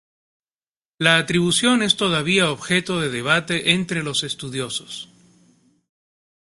La atribución es todavía objeto de debate entre los estudiosos.